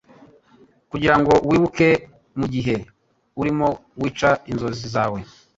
kugirango wibuke mugihe urimo wica inzozi zawe.